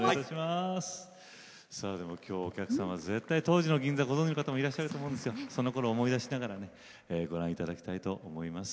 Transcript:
きょう、お客さんは絶対、当時の銀座をご存じの方もいらっしゃると思うんですけどそのころを思い出しながらご覧いただきたいと思います。